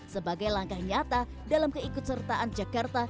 sebagai langkah nyata dalam keikutsertaan jakarta